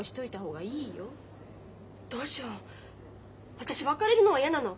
私別れるのは嫌なの。